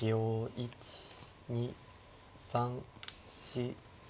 １２３４。